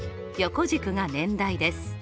横軸が年代です。